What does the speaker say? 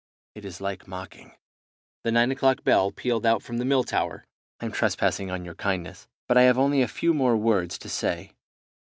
It is like mocking." The nine o'clock bell pealed out from the mill tower. "I am trespassing on your kindness, but I have only a few more words to say.